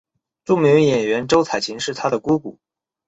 著名演员周采芹是她的姑姑。